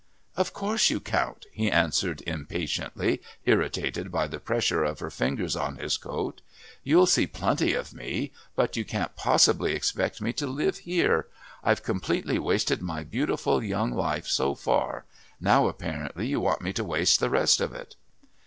"Of course you count," he answered impatiently, irritated by the pressure of her fingers on his coat. "You'll see plenty of me. But you can't possibly expect me to live here. I've completely wasted my beautiful young life so far now apparently you want me to waste the rest of it."